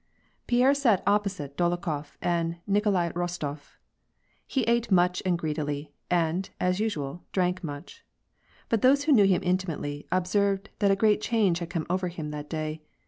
Pierre sat opposite Dolokhof and Nikolai Bostof. He ate much and greedily, and, as usual, drank much. But those who knew him intimately, observed that a great change had come over him that day.